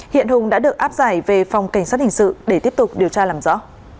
hiện hùng đã được áp giải về phòng cảnh sát hình sự để tiếp tục điều tra làm rõ